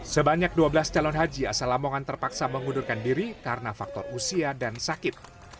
sebanyak dua belas calon haji asal lamongan terpaksa mengundurkan diri karena faktor usia dan sakit